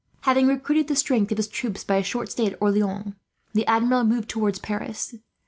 Having recruited the strength of his troops, by a short stay at Orleans, the Admiral moved towards Paris.